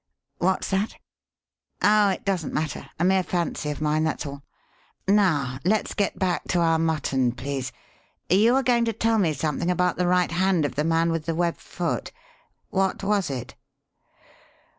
What's that? Oh, it doesn't matter; a mere fancy of mine, that's all. Now let us get back to our mutton, please. You were going to tell me something about the right hand of the man with the web foot. What was it?"